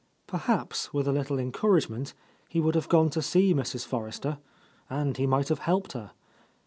Perhaps, with a little encouragement, he would have gone to see Mrs. Forrester, and he might have helped her.